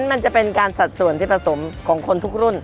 มันจะเป็นการสัดส่วนที่ผสมของคนทุกรุ่น